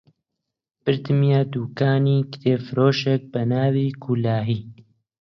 بردمیە دووکانی کتێبفرۆشێک بە ناوی کولاهی